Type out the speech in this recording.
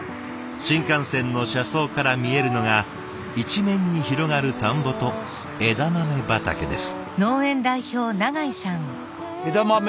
新幹線の車窓から見えるのが一面に広がる田んぼと枝豆畑です。